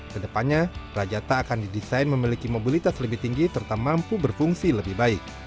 kedepannya rajata akan didesain memiliki mobilitas lebih tinggi serta mampu berfungsi lebih baik